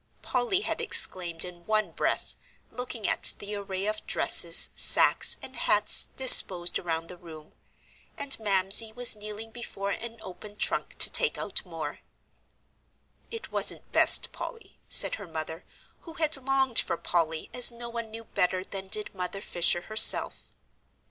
Polly had exclaimed in one breath, looking at the array of dresses, sacks, and hats disposed around the room. And Mamsie was kneeling before an open trunk to take out more. "It wasn't best, Polly," said her mother, who had longed for Polly as no one knew better than did Mother Fisher herself.